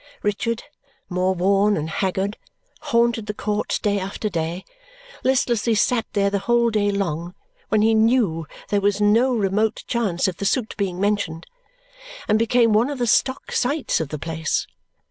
Richard, more worn and haggard, haunted the court day after day, listlessly sat there the whole day long when he knew there was no remote chance of the suit being mentioned, and became one of the stock sights of the place.